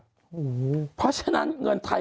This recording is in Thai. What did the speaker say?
โอ้วอ้วเพราะฉะนั้นเงินไทย